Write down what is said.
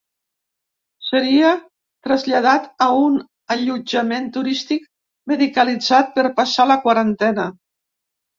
Seria traslladat a un allotjament turístic medicalitzat per passar la quarantena.